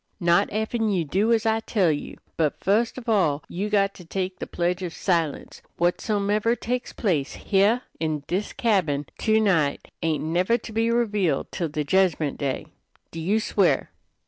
"Not effen you do as I tell you. But fust of all you got to take the pledge of silence. Whatsomever takes place heah in this cabin to night ain't never to be revealed till the jedgment day. Do you swear?"